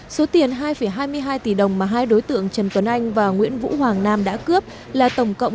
số tiền hai hai mươi hai tỷ đồng mà hai đối tượng trần tuấn anh và nguyễn vũ hoàng nam đã cướp là tổng cộng